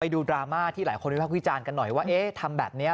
ไปดูดราม่าที่หลายคนมีภาควิจารณ์กันหน่อยว่าทำแบบนี้